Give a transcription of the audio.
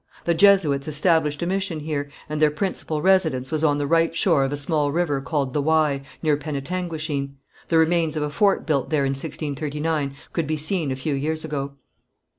The Jesuits established a mission here, and their principal residence was on the right shore of a small river called the Wye, near Penetanguishene. The remains of a fort built there in 1639 could be seen a few years ago.